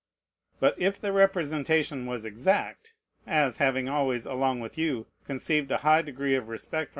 But if the representation was exact, (as, having always, along with you, conceived a high degree of respect for M.